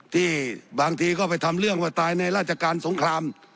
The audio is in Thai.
ที่บางทีก็ไปทำเรื่องว่าตายในราชการสงคราม